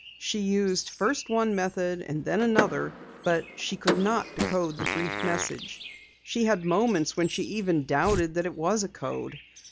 She used first one method and then another, but she could not decode the brief message. She had moments when she even doubted that it was a code.